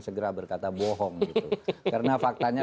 segera berkata bohong gitu karena faktanya